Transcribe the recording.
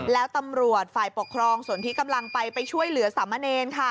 แล้วตำรวจฝ่ายปกครองส่วนที่กำลังไปไปช่วยเหลือสามเณรค่ะ